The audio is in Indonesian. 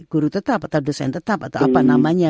guru tetap atau dosen tetap atau apa namanya